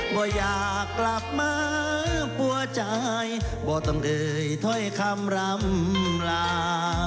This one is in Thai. ว่าอยากกลับมาหัวใจบ่ต้องเอ่ยถ้อยคำร่ำลา